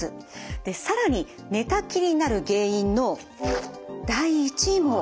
で更に寝たきりになる原因の第１位も脳卒中なんです。